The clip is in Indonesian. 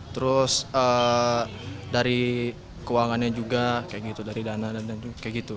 terus dari keuangannya juga kayak gitu dari dana dan kayak gitu